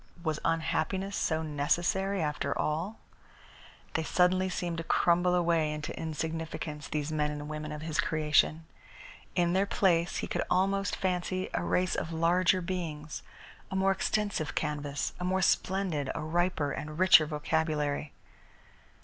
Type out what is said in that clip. Was unhappiness so necessary, after all? They suddenly seemed to crumble away into insignificance, these men and women of his creation. In their place he could almost fancy a race of larger beings, a more extensive canvas, a more splendid, a riper and richer vocabulary.